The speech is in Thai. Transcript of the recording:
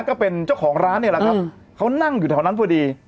ก็เป็นเจ้าของร้านเนี่ยแหละครับเขานั่งอยู่แถวนั้นพอดี